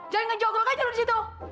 jangan ngejogrok aja lu disitu